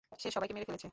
সে সবাইকে মেরে ফেলেছে।